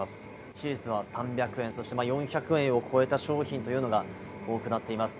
チーズは３００円、４００円を超えた商品というのが多くなっています。